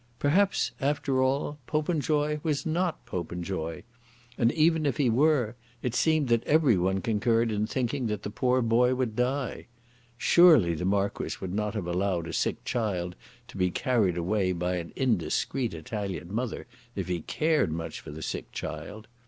Perhaps, after all, Popenjoy was not Popenjoy. And even if he were, it seemed that everyone concurred in thinking that the poor boy would die. Surely the Marquis would not have allowed a sick child to be carried away by an indiscreet Italian mother if he cared much for the sick child.